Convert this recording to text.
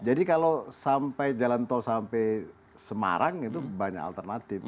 jadi kalau jalan tol sampai semarang itu banyak alternatif